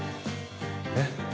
えっ？